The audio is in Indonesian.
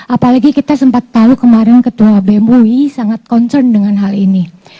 apalagi kita sempat tahu kemarin ketua bem ui sangat concern dengan hal ini